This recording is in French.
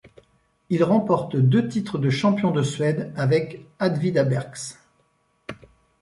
Il remporte deux titres de champion de Suède avec Åtvidabergs.